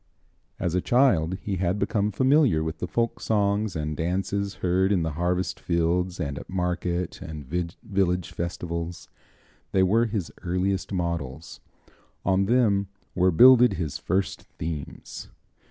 As a child he had become familiar with the folk songs and dances heard in the harvest fields and at market and village festivals. They were his earliest models; on them were builded his first themes.